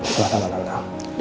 selamat malam tante